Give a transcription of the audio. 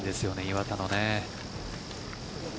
岩田のね。